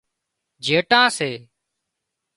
جيٽان سي